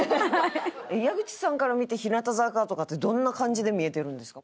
矢口さんから見て日向坂とかってどんな感じで見えてるんですか？